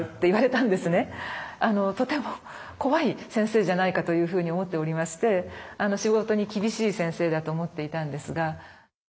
とても怖い先生じゃないかというふうに思っておりまして仕事に厳しい先生だと思っていたんですが。